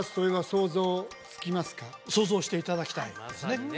想像していただきたいですね